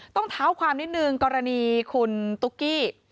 ต้องเท้าความนิดนึงกรณีคุณตุ๊กกี้